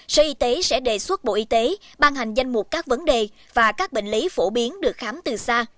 sở y tế sẽ đề xuất bộ y tế ban hành danh mục các vấn đề và các bệnh lý phổ biến được khám từ xa